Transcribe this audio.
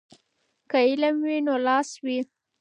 که علم وي نو لاس وي.